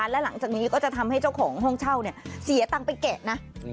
และหลังจากนี้ก็จะทำให้เจ้าของห้องเช่าเสียตังค์ไปแกะนะ